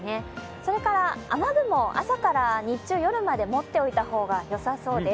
それから雨具も朝から日中、夜まで持っていた方がよさそうです。